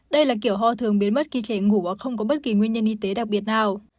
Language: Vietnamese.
đây là kiểu ho thường biến mất khi trẻ ngủ và không có bất kỳ nguyên nhân y tế đặc biệt nào